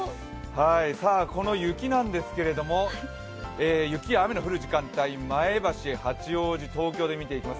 この雪なんですけれども雪や雨が降る時間帯を前橋、八王子、東京で見ていきます。